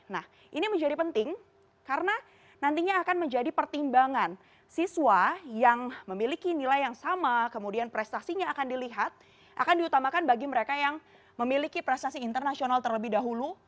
nah ini menjadi penting karena nantinya akan menjadi pertimbangan siswa yang memiliki nilai yang sama kemudian prestasinya akan dilihat akan diutamakan bagi mereka yang memiliki prestasi internasional terlebih dahulu